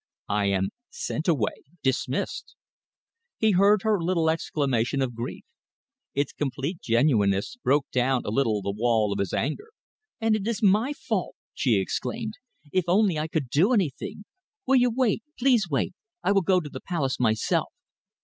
"I am sent away dismissed!" He heard her little exclamation of grief. Its complete genuineness broke down a little the wall of his anger. "And it is my fault!" she exclaimed. "If only I could do anything! Will you wait please wait? I will go to the Palace myself."